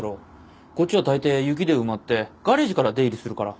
こっちはたいてい雪で埋まってガレージから出入りするから。